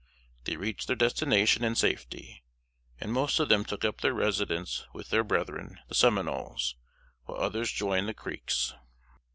They reached their destination in safety; and most of them took up their residence with their brethren, the Seminoles; while others joined the Creeks.